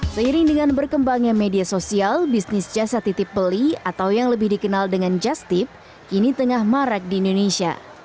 seiring dengan berkembangnya media sosial bisnis jasa titip beli atau yang lebih dikenal dengan just tip kini tengah marak di indonesia